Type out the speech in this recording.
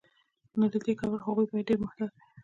نو له دې کبله هغوی باید ډیر محتاط وي.